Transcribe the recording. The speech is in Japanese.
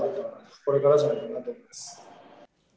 これからじゃないかなと思います。